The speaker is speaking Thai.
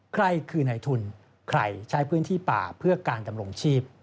ใครคือในทุนใครใช้พื้นที่ป่าเพื่อการดำรงชีพ